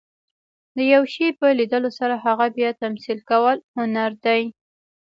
د یو شي په لیدلو سره هغه بیا تمثیل کول، هنر دئ.